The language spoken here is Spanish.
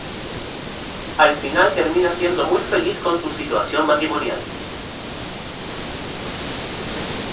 Al final termina siendo muy feliz con su situación matrimonial.